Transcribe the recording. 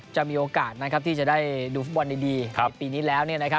จะมีโอกาสที่จะได้ดูฟุตบอลดีในปีนี้แล้ว